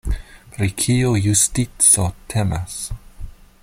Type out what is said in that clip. Pri kiu justico temas?